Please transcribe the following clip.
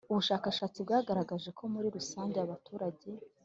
Ubushakashatsi bwagaragaje ko muri rusange abaturage